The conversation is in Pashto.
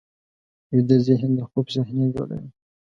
ویده ذهن د خوب صحنې جوړوي